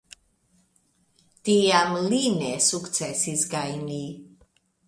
Tiam li ne sukcesis gajni.